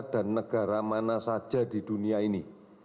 dan negara mana saja di dunia ini